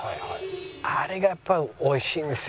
あれがやっぱ美味しいんですよ